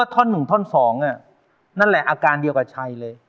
ท่อน๑ท่อน๒นั่นแหละอาการเดียวกับชัยเลย